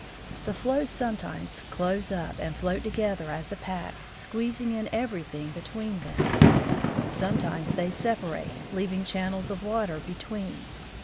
The floes sometimes close up and float together as a pack, squeezing in everything between them. Sometimes they separate, leaving channels of water between.